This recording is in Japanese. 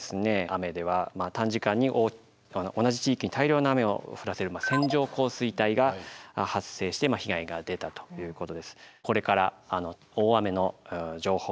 雨では短時間に同じ地域に大量の雨を降らせる線状降水帯が発生して被害が出たということです。